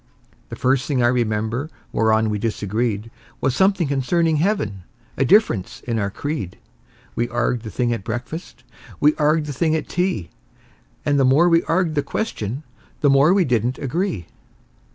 The first thing I remember whereon we disagreed Was something concerning heaven a difference in our creed; We arg'ed the thing at breakfast, we arg'ed the thing at tea, And the more we arg'ed the question the more we didn't agree.